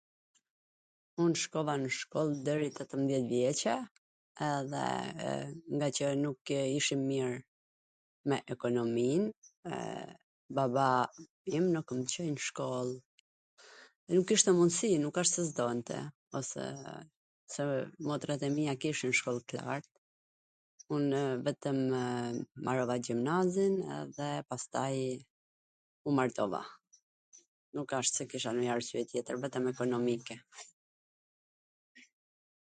Un shkova nw shkoll deri tetwmwdhjet vjeCe, edhe ngaqw nukw ishim mir me ekonomin, www baba im nuk mw Coi n shkoll, nuk kishte mundsi, nuk asht se s donte, ose, se motrat e mia kishin shkoll t lart, unw vetwmw mbarova gjimnazin edhe pastaj u martova. Nuk asht se kisha ndonjw arsye tjetwr, vetwm ekonomike.